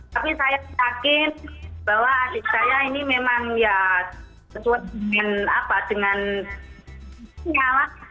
tapi saya yakin bahwa adik saya ini memang ya sesuai dengan apa dengan sinyalah